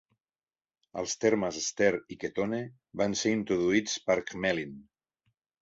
Els termes Ester i Ketone van ser introduïts per Gmelin.